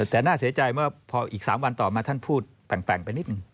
แต่น่าเสียใจเมื่อพออีก๓วันต่อมาท่านพูดแปลงไปนิดนึง